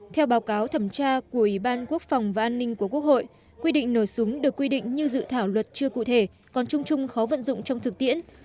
theo báo cáo thẩm tra của ủy ban quốc phòng và an ninh của quốc hội quy định nổ súng được quy định như dự thảo luật chưa cụ thể còn chung chung khó vận dụng trong thực tiễn